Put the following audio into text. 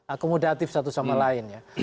akomodatif satu sama lain ya